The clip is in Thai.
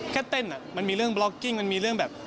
แค่เต้นมันมีเรื่องบล็อกกิ้งมันมีเรื่องแบบ